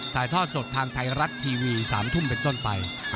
ถ่ายทอดสดทางไทยรัฐทีวี๓ทุ่มเป็นต้นไป